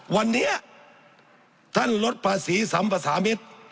วันเนี้ยท่านรถภาษีสามปศามิตร